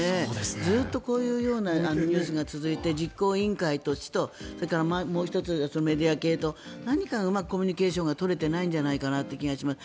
ずっとこういうようなニュースが続いて実行委員会と市ともう１つメディア系となにかうまくコミュニケーションが取れていない気がします。